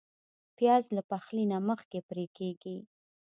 پیاز له پخلي نه مخکې پرې کېږي